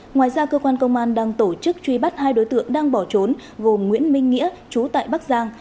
ngoài ra cơ quan công an đang tổ chức truy bắt hai đối tượng đang bỏ trốn gồm nguyễn minh nghĩa chú tại bắc giang